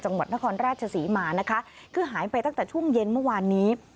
จังหวัดนครราชศรีมานะคะคือหายไปตั้งแต่ช่วงเย็นเมื่อวานนี้